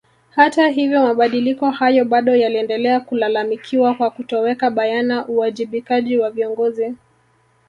Hata hivyo mabadiliko hayo bado yaliendelea kulalamikiwa kwa kutoweka bayana uwajibikaji wa viongozi